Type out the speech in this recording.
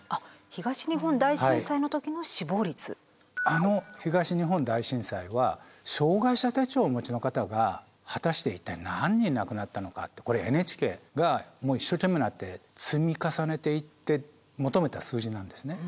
あの東日本大震災は障害者手帳をお持ちの方が果たして一体何人亡くなったのかってこれＮＨＫがもう一生懸命になって積み重ねていって求めた数字なんですね。